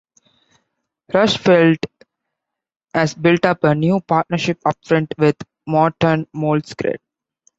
Rushfeldt has built up a new partnership upfront with Morten Moldskred.